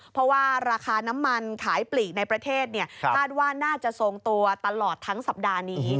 เพราะว่าราคาน้ำมันขายปลีกในประเทศคาดว่าน่าจะทรงตัวตลอดทั้งสัปดาห์นี้